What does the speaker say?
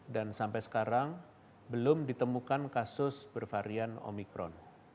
dan sampai sekarang belum ditemukan kasus bervarian omikron